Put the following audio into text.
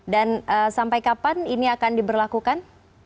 dan sampai kapan ini akan diberlakukan